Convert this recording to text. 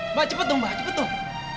mbak cepet dong mbak cepet tuh